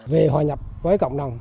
về hòa nhập với cộng đồng